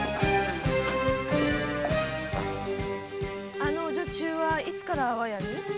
あのお女中はいつから安房屋に？